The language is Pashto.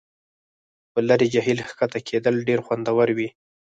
په لرې جهیل کښته کیدل ډیر خوندور وي